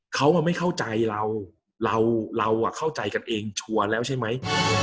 เขาไม่เข้าใจเราเราเข้าใจกันเองชัวร์แล้วใช่ไหม